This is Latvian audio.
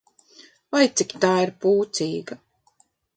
Vai, cik tā ir pūcīga!